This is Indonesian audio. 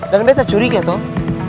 dan beneran curiga tuh